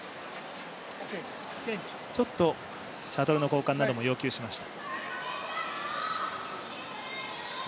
ちょっとシャトルの交換なども要求しました。